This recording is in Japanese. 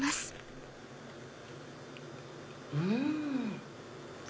うん！